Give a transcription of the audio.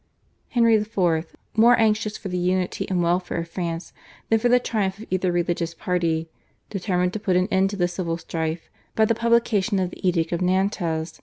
Henry IV., more anxious for the unity and welfare of France than for the triumph of either religious party, determined to put an end to the civil strife by the publication of the Edict of Nantes (1598).